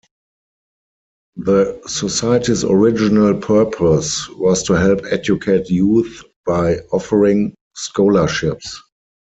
The society's original purpose was to help educate youths by offering scholarships.